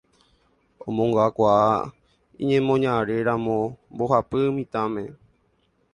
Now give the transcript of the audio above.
omongakuaa iñemoñaréramo mbohapy mitãme